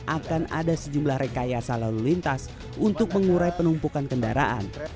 akan ada sejumlah rekayasa lalu lintas untuk mengurai penumpukan kendaraan